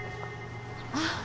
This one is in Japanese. あっ。